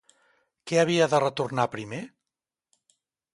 Què havia de retornar primer?